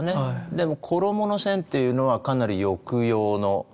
でも衣の線というのはかなり抑揚のある線で。